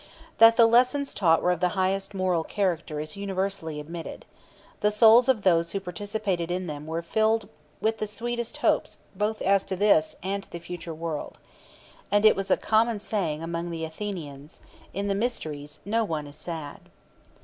That the lessons taught were of the highest moral character is universally admitted. "The souls of those who participated in them were filled with the sweetest hopes both as to this and the future world;" and it was a common saying among the Athenians: "In the Mysteries no one is sad."